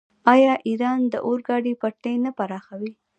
آیا ایران د اورګاډي پټلۍ نه پراخوي؟